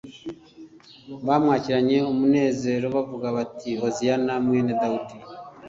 bamwakiranye umunezero bavuga bati: «Hoziyana mwene Dawidi!